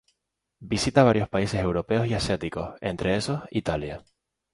Visita varios países europeos y asiáticos, entre esos, Italia.